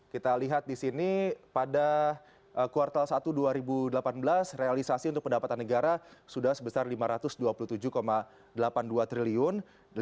kita lihat di sini pada kuartal satu dua ribu delapan belas realisasi untuk pendapatan negara sudah sebesar rp lima ratus dua puluh tujuh delapan puluh dua triliun